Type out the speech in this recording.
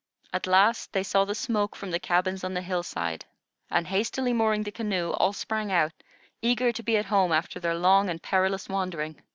At last they saw the smoke from the cabins on the hillside, and, hastily mooring the canoe, all sprang out, eager to be at home after their long and perilous wandering.